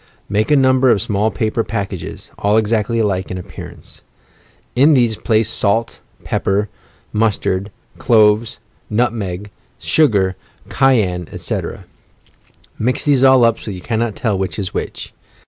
Make a number of small paper packages, all exactly alike in appearance. In these place salt, pepper, mus tard, cloves, nutmeg, sugar, cayenne, etc. Mix these all up so that you cannot tell which is which.